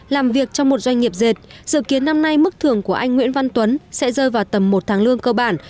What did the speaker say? làm việc trong một doanh nghiệp dệt dự kiến năm nay mức thưởng của anh nguyễn văn tuấn sẽ rơi vào tầm một tháng lương cơ bản